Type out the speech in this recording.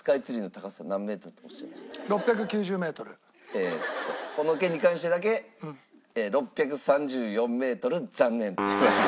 えーっとこの件に関してだけ６３４メートル残念！